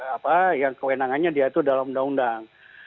apa yang kewenangannya dia itu dalam undang undang